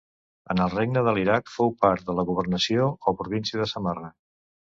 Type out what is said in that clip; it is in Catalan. En el regne de l'Iraq fou part de la governació o província de Samarra.